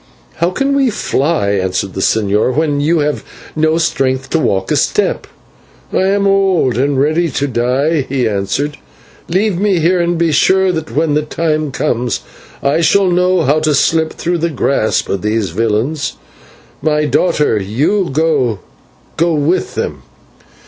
"How can we fly," answered the señor, "when you have no strength to walk a step?" "I am old and ready to die," he answered; "leave me here, and be sure that when the time comes I shall know how to slip through the grasp of these villains. My daughter, go you with them.